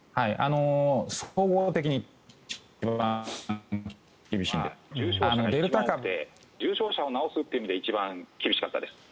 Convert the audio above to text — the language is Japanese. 総合的に一番厳しいので重症者を治すという意味で一番厳しかったです。